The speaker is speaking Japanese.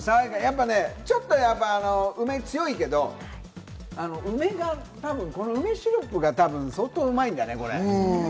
ちょっと梅が強いけど、梅が多分、梅シロップが相当うまいんだね。